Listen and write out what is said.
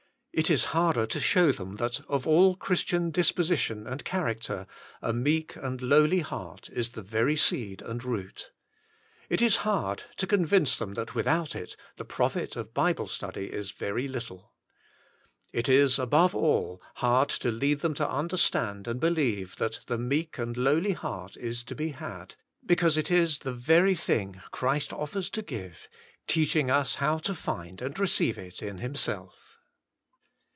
It is harder to show them that of all Christian disposition and character, a meek and lowly heart is the very seed and root. It is hard to convince them that without it the profit of Bible study is very little. It is above all hard to lead them to understand and believe that the meek and lowly heart is to be had, because it is the very thing Christ offers to give, teaching us how to find and receive it in Himself.